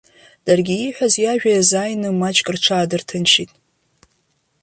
Даргьы ииҳәаз иажәа иазааины маҷк рҽаадырҭынчит.